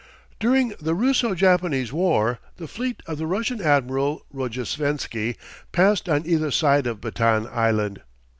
During the Russo Japanese war the fleet of the Russian Admiral Rojesvenski passed on either side of Batan Island.